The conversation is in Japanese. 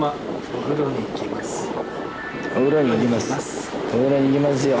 お風呂に行きますよ。